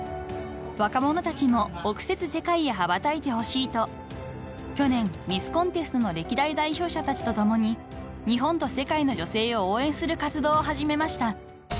［若者たちも臆せず世界へ羽ばたいてほしいと去年ミス・コンテストの歴代代表者たちとともに日本と世界の女性を応援する活動を始めました］